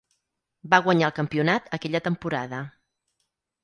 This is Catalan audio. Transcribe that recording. Va guanyar el campionat aquella temporada.